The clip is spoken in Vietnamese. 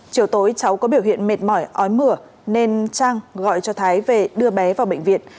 chiều tối cháu có biểu hiện mệt mỏi ói mửa nên trang gọi cho thái về đưa bé vào bệnh viện